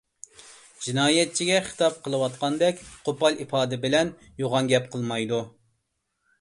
جىنايەتچىگە خىتاب قىلىۋاتقاندەك قوپال ئىپادە بىلەن يوغان گەپ قىلمايدۇ.